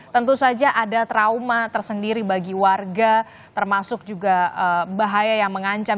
tentu saja ada trauma tersendiri bagi warga termasuk juga bahaya yang mengancam